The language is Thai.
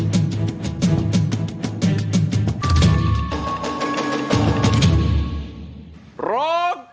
นี่ครับ